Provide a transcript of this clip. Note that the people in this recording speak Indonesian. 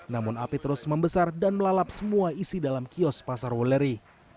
namun api terus membesar dan melalap semua isi dalam kios pasar wuleri